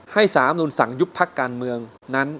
ให้สาธารณูนสั่งยุบภักร์การเมืองนั้น